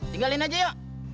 tinggalin aja yuk